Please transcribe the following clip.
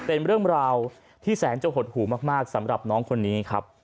เป็นเรื่องราวที่แสนจะหดหูมากสำหรับน้องคนนี้ครับ